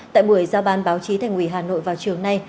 tại buổi giao ban báo chí thành quỷ hà nội vào trường này